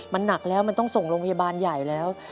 มันหนักแล้วมันต้องส่งโรงพยาบาลใหญ่แล้ว